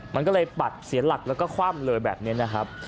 มันก็เลยปัดเสียหลักแล้วก็คว่ำเลยแบบนี้นะครับ